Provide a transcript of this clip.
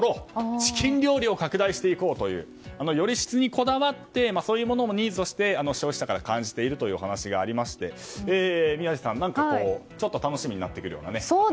チキン料理を拡大していこうというより質にこだわってそういうものをニーズとして消費者から感じているというお話がありまして宮司さん、ちょっと楽しみになってくるようなね。